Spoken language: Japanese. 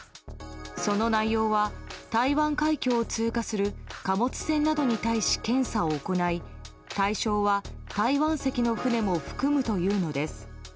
その内容は台湾海峡を通過する貨物船などに対し検査を行い、対象は台湾籍の船も含むというのです。